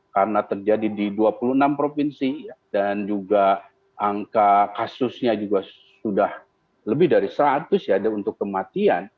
karena terjadi di dua puluh enam provinsi dan juga angka kasusnya juga sudah lebih dari seratus untuk kematian